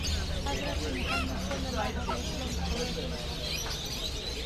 حضرت محمد ﷺ د قریشو له قوم څخه و.